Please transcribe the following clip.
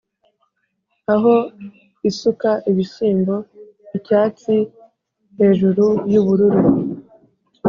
aho isuka ibishyimbo icyatsi hejuru yubururu